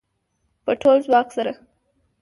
په ټول ځواک سره